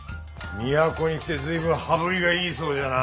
都に来て随分羽振りがいいそうじゃな。